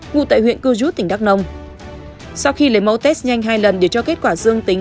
ngụ tại huyện cư rút tỉnh đắk nông sau khi lấy mẫu test nhanh hai lần để cho kết quả dương tính